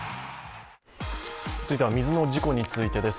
続いては水の事故についてです。